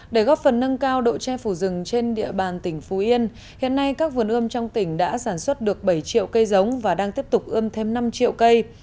để góp phần nâng cao độ che phủ rừng trên địa bàn tỉnh phú yên hiện nay các vườn ươm trong tỉnh đã sản xuất được bảy triệu cây giống và đang tiếp tục ươm thêm năm triệu cây